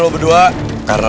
oke bagus bahasanya